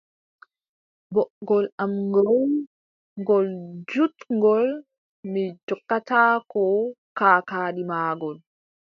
Ɓoggol am ngool, ngol juutngol, Mi jokkataako kaakaadi maagol.